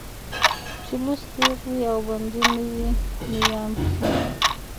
چې لوڅ تېغ وي او بندي نه وي نيام کې